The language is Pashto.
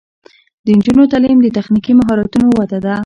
د نجونو تعلیم د تخنیکي مهارتونو وده ده.